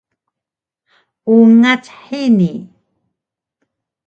Ungac hini